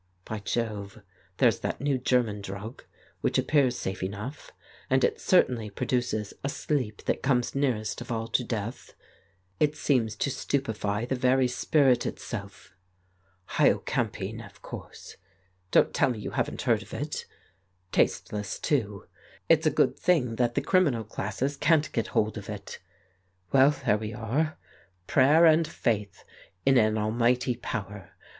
... By Jove, there's that new German drug, which appears safe enough, and it certainly produces a sleep that comes 164 The Case of Frank Hampden nearest of all to death ; it seems to stupefy the very spirit itself. ... Hyocampine, of course; don't tell me you haven't heard of it. ... Tasteless too; it's a good thing that the criminal classes can't get hold of it. ... Well, there we are. ... Prayer and faith in an Almighty power.